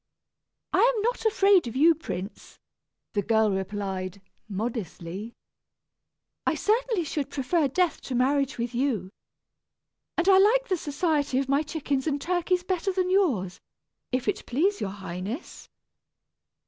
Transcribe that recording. "I am not afraid of you, prince," the girl replied, modestly. "I certainly should prefer death to marriage with you. And I like the society of my chickens and turkeys better than yours, if it please your highness."